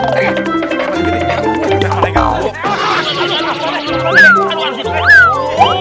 aduh aduh aduh